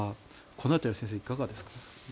この辺りは先生、いかがですか。